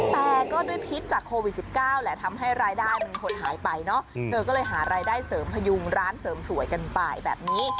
แต่ก็ด้วยพิษจากโควิด๑๙แหละทำให้รายได้มันหดหายไปเนอะเธอก็เลยหารายได้เสริมพยุงร้านเสริมสวยกันไปแบบนี้